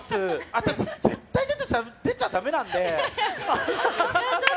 私、絶対出ちゃダメなんで。